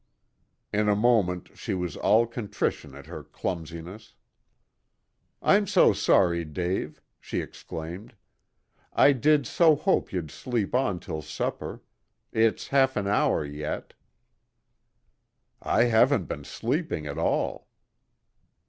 In a moment she was all contrition at her clumsiness. "I'm so sorry, Dave," she exclaimed. "I did so hope you'd sleep on till supper. It's half an hour yet." "I haven't been sleeping at all."